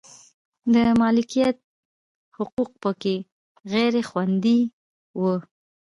د مالکیت حقوق په کې غیر خوندي و.